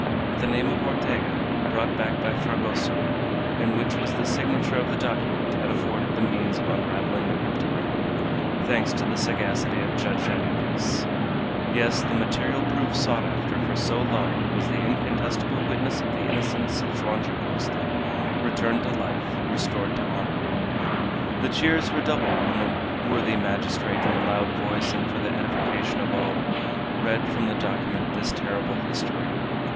But the name of Ortega, brought back by Fragoso, and which was the signature of the document, had afforded the means of unraveling the cryptogram, thanks to the sagacity of Judge Jarriquez. Yes, the material proof sought after for so long was the incontestable witness of the innocence of Joam Dacosta, returned to life, restored to honor. The cheers redoubled when the worthy magistrate, in a loud voice, and for the edification of all, read from the document this terrible history.